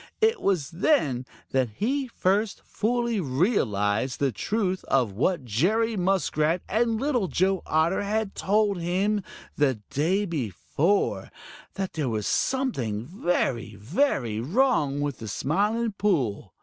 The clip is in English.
It was then that he first fully realized the truth of what Jerry Muskrat and Little Joe Otter had told him the day before that there was something very, very wrong with the Smiling Pool.